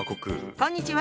こんにちは。